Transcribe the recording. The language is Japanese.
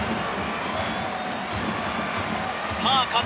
さあ加瀬